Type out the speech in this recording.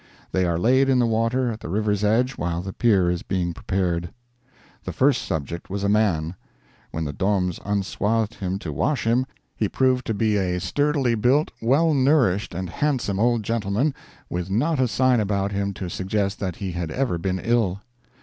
They are laid in the water at the river's edge while the pyre is being prepared. The first subject was a man. When the Doms unswathed him to wash him, he proved to be a sturdily built, well nourished and handsome old gentleman, with not a sign about him to suggest that he had ever been ill.